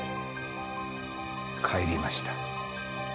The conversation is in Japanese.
帰りました。